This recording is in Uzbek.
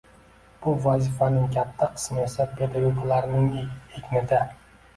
Bu vazifaning katta qismi esa – pedagoglarning egnida.